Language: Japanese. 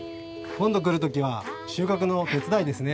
今度来る時は収穫の手伝いですね？